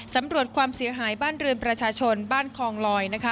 สำรวจความเสียหายบ้านเรือนประชาชนบ้านคองลอย